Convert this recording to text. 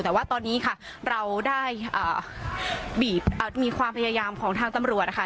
แต่ว่าตอนนี้ค่ะเราได้มีความพยายามของทางตำรวจนะคะ